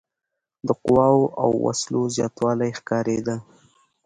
د قواوو او وسلو زیاتوالی ښکارېده.